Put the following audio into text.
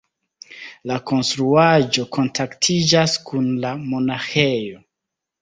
La konstruaĵo kontaktiĝas kun la monaĥejo.